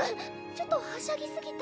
ちょっとはしゃぎ過ぎた。